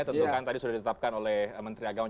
tentu kan tadi sudah ditetapkan oleh menteri agama